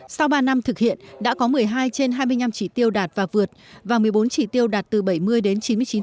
sau ba năm thực hiện đã có một mươi hai trên hai mươi năm chỉ tiêu đạt và vượt và một mươi bốn chỉ tiêu đạt từ bảy mươi đến chín mươi chín